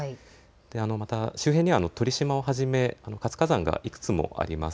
また周辺には鳥島をはじめ活火山がいくつもあります。